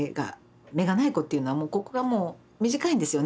目がない子っていうのはここがもう短いんですよね。